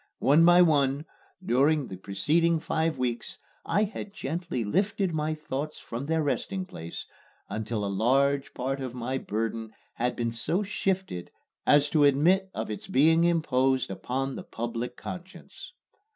One by one, during the preceding five weeks, I had gently lifted my thoughts from their resting place, until a large part of my burden had been so shifted as to admit of its being imposed upon the public conscience.